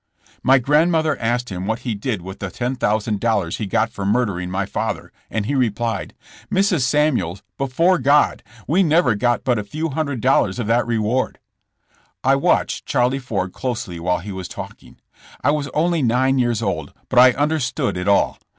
'' My grandmother asked him what he did with the $10,000 he got for murdering my father, and he re plied : *'Mrs. Samuels, before God, w^e never got but a few hundred dollars of that reward. *' I watched Charlie Ford closely while he was talking. I was only nine years old but I understood it all.